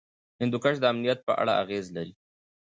هندوکش د امنیت په اړه اغېز لري.